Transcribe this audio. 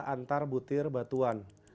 antar butir batuan